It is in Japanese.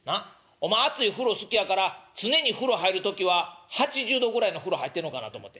お前熱い風呂好きやから常に風呂入る時は８０度ぐらいの風呂入ってんのかなと思って」。